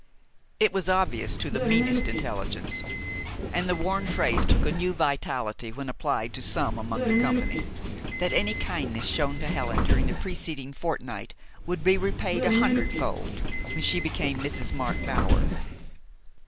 It was obvious to the meanest intelligence and the worn phrase took a new vitality when applied to some among the company that any kindness shown to Helen during the preceding fortnight would be repaid a hundredfold when she became Mrs. Mark Bower.